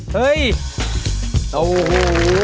เฮ้ยโอ้โห